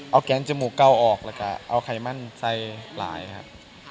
เอาแกนจมูกเก้าออกแล้วก็เอาไขมั่นใส่หลายครับ